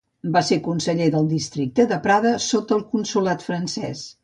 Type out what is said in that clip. Va ser conseller del districte de Prada sota el Consolat francès.